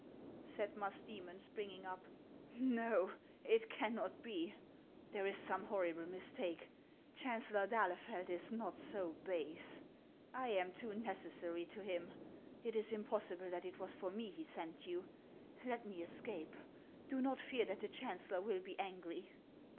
said Musdu mon, springing up; "no; it cannot be ; There is some horrible mistake. Chancellor d'Ahle feld is not so base ; I am too necessary to him. It is impossible that it was for me he sent you. Let me escape; do not fear that the chancellor will be angry."